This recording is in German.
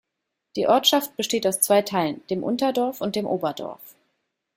Die Ortschaft besteht aus zwei Teilen, dem Unterdorf und dem Oberdorf.